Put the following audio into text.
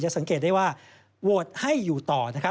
สังเกตได้ว่าโหวตให้อยู่ต่อนะครับ